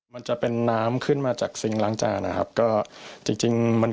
มันจะเป็นน้ำขึ้นมาจากซิงค์ล้างจานนะครับก็จริงจริงมัน